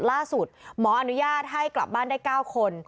ล่าสุดหมออนุญาตให้กลับบ้านได้๙คน